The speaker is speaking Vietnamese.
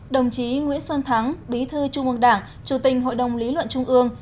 đồng chí nguyễn xuân thắng bí thư trung ương đảng chủ tình hội đồng lý luận trung ương